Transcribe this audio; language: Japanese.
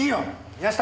宮下。